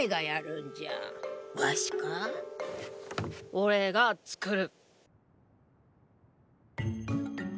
おれがつくる。